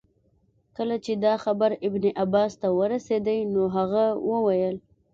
کله چي دا خبر ابن عباس ته ورسېدی نو هغه وویل.